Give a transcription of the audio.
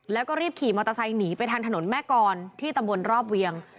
แล้วก็รีบขี่มอเตอร์ไซค์หนีไปทางถนนแม่กรที่ตำบลรอบเวียง